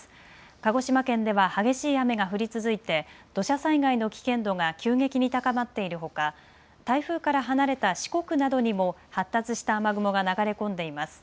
鹿児島県では激しい雨が降り続いて、土砂災害の危険度が急激に高まっているほか、台風から離れた四国などにも、発達した雨雲が流れ込んでいます。